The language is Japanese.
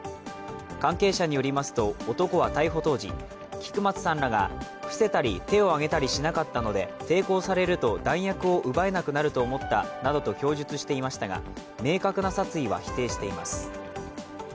関係者によりますと、男は逮捕当時菊松さんらが伏せたり手を挙げたりしなかったので抵抗されると弾薬を奪えなくなると思ったなどと供述していましたが明確な殺意は否定しています。